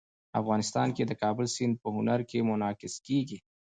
افغانستان کې د کابل سیند په هنر کې منعکس کېږي.